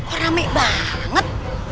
orang ramai banget